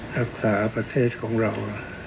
รักษาประเทศของเรา